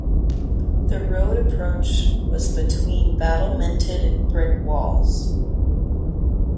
The road approach was between battlemented brick walls.